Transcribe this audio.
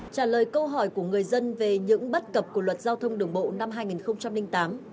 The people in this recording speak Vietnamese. trả lời câu hỏi của người dân về những bất cập của luật giao thông đường bộ năm hai nghìn tám